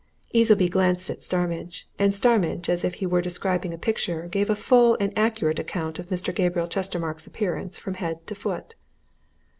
Easleby glanced at Starmidge. And Starmidge, as if he were describing a picture, gave a full and accurate account of Mr. Gabriel Chestermarke's appearance from head to foot.